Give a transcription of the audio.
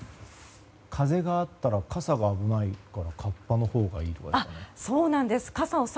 風があったら傘が危ないから合羽のほうがいいとかですかね。